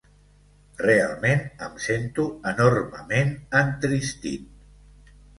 Realment em sento enormement entristit.